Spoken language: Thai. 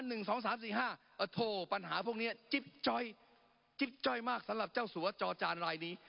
ช่วงของปัญหาพวกนี้จิบจอยจิบจอยมากสำหรับเจ้าสวจรจานรายนี้